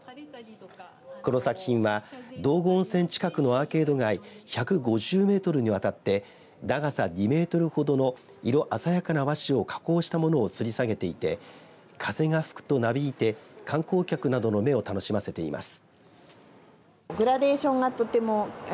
この作品は道後温泉近くのアーケード街１５０メートルにわたって長さ２メートルほどの色鮮やかな和紙を加工したものをつり下げていて風が吹くとなびいて観光客などの目を楽しませています。